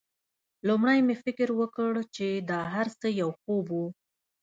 لومړی مې فکر وکړ چې دا هرڅه یو خوب و